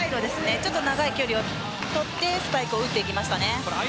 ちょっと長い距離を取ってスパイクを打っていきました。